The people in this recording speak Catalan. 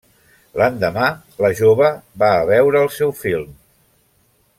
L'endemà, la jove va a veure el seu film.